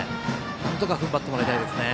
なんとか踏ん張ってもらいたいですね。